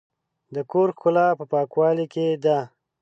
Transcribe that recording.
د کور ښکلا په پاکوالي کې ده.